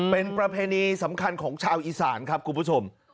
เป็นประเพณีสำคัญของชาวอีสานครับคุณผู้ชม